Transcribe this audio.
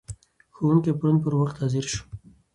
ښوونکی پرون پر وخت حاضر شو.